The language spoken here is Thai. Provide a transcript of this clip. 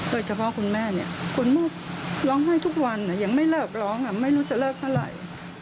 โดยเฉพาะคุณแม่คุณโมร้องให้ทุกวันยังไม่รอบร้องไม่รู้จะรอบเท่าไหร่